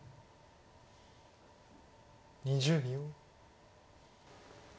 ２０秒。